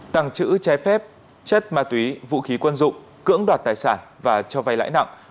tàng trữ trái phép chất ma túy vũ khí quân dụng cưỡng đoạt tài sản và cho vay lãi nặng